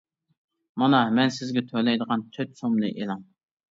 مانا، مەن سىزگە تۆلەيدىغان تۆت سومنى ئېلىڭ!